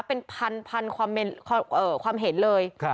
เป็นพันความเห็นเลย